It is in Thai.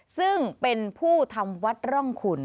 ซึ่งเป็นผู้ทำวัดร่องขุน